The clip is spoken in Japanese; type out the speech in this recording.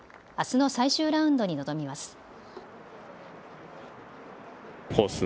あすの最終ラウンドに臨みます。